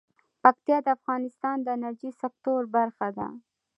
پکتیا د افغانستان د انرژۍ سکتور برخه ده.